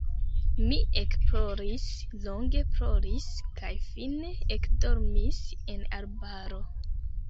Mi ekploris, longe ploris kaj fine ekdormis en arbaro.